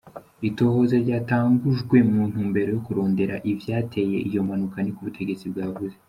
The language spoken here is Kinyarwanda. Itohoza ryatangujwe mu ntumbero yo kurondera ivyateye iyo mpanuka, niko ubutegetsi bwavuze.